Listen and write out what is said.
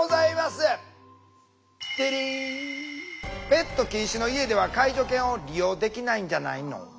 ペット禁止の家では介助犬を利用できないんじゃないの？